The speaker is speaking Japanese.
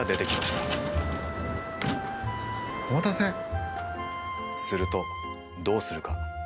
するとどうするか？